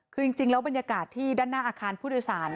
คือจริงแล้วบรรยากาศที่ด้านหน้าอาคารผู้โดยสาร